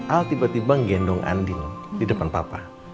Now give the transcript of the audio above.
al tiba tiba nggendong andi di depan papa